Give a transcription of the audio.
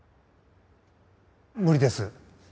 無理です。